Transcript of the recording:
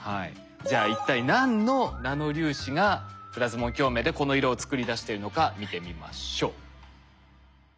じゃあ一体何のナノ粒子がプラズモン共鳴でこの色を作り出しているのか見てみましょう。